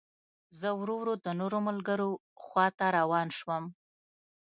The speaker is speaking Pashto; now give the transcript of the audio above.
زه ورو ورو د نورو ملګرو خوا ته روان شوم.